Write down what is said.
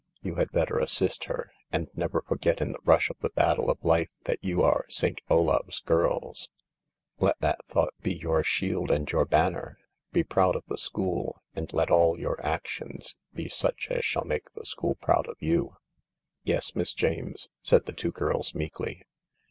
You had better assist her. And never forget in the rush of the battle of life that you are St. Olave's girls. Let that thought be your shield and your banner. Be proud of the school, and THE LARK let all your actions be such as shall make the school proud of you." "Yes, Miss James," said the two girls meekly.